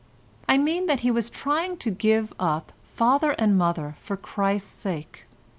I mean that he was trying to give up father and mother for Christ's sake.